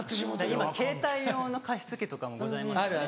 今携帯用の加湿器とかもございますよね。